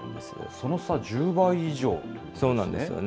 その差、１０倍以上なんですね。